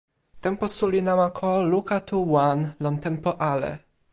tenpo suli namako luka tu wan, lon tenpo ale